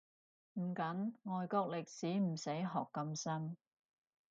唔緊，外國歷史唔使學咁深